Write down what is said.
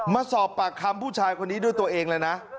มาสอบปากคำผู้ชายคนนี้ด้วยตัวเองเลยนะ